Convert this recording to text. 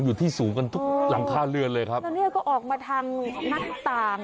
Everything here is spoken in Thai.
อยู่ที่สูงกันทุกหลังคาเรือนเลยครับแล้วเนี่ยก็ออกมาทางหน้าต่าง